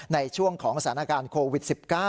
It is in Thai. ในช่วงของสถานการณ์โควิด๑๙